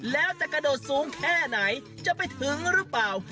แล้วจะกระโดดสูงแค่ไหนจะไปถึงหรือเปล่า